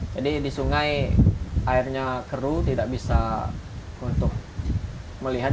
jadi di sungai airnya keruh tidak bisa untuk melihat